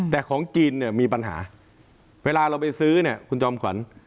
แต่ของจีนเนี่ยมีปัญหาเวลาเราไปซื้อเนี่ยคุณจอมขวัญ